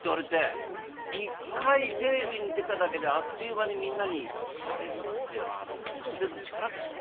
一回テレビに出ただけであっという間にみんなに知られるっていうのは『ベストテン』の力でしたね。